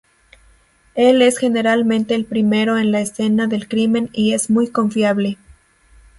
Él es generalmente el primero en la escena del crimen y es muy confiable.